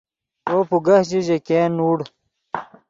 وو پوگہ ژے، ژے ګین نوڑ